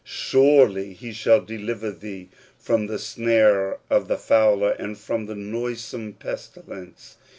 "Surel)* ^ he shall deliver thee from the snare of the fowler^^ and from the noisome pestilence.